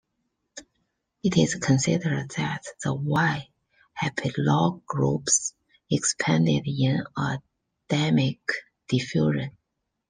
It is considered that the Y haplogroups expanded in a demic diffusion.